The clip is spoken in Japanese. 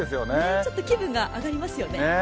ちょっと気分が上がりますよね。